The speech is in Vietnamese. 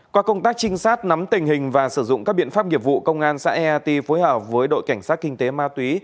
qua công tác trinh sát nắm tình hình và sử dụng các biện pháp nghiệp vụ công an xã eati phối hợp với đội cảnh sát kinh tế ma túy